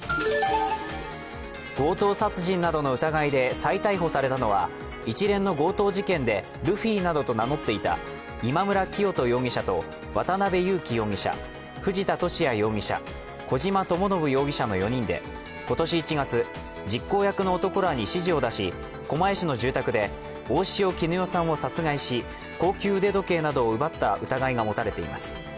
強盗殺人などの疑いで再逮捕されたのは、一連の強盗事件でルフィなどと名乗っていた今村磨人容疑者と渡辺優樹容疑者、藤田聖也容疑者、小島智信容疑者の４人で、今年１月、実行役の男らに指示を出し狛江市の住宅で大塩衣与さんを殺害し高級腕時計などを奪った疑いが持たれています